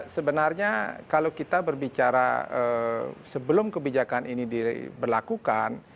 sebenarnya kalau kita berbicara sebelum kebijakan ini diberlakukan